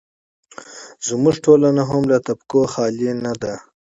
زموږ ټولنه هم له طبقو څخه خالي نه ده.